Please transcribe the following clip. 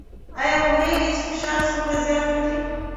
ایا پوهیږئ چې فشار څومره زیان لري؟